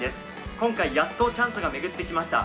今回やっとチャンスが巡ってきました。